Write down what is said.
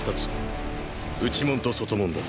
内門と外門だ。